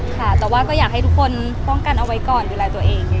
ค่ะแต่ว่าก็อยากให้ทุกคนป้องกันเอาไว้ก่อนดูแลตัวเอง